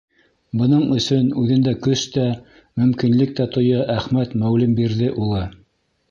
Бының өсөн үҙендә көс тә, мөмкинлек тә тоя Әхмәт Мәүлембирҙе улы.